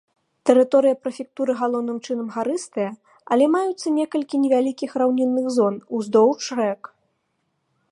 Тэрыторыя прэфектуры галоўным чынам гарыстая, але маюцца некалькі невялікіх раўнінных зон уздоўж рэк.